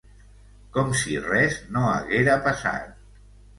Com si res no haguera passat.